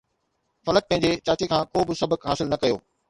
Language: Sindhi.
فلڪ پنهنجي چاچي کان ڪو به سبق حاصل نه ڪيو